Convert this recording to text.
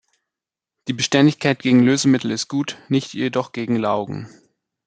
Die Beständigkeit gegen Lösemittel ist gut, nicht jedoch gegen Laugen.